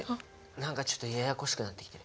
何かちょっとややこしくなってきてる。